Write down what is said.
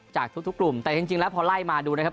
จากทุกกลุ่มแต่จริงแล้วพอไล่มาดูนะครับ